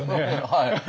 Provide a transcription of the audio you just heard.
はい。